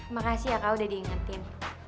makasih ya kak udah diingetin